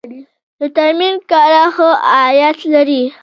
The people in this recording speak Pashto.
د ترمیم کاران ښه عاید لري